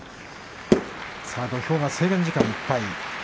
土俵が制限時間いっぱいです。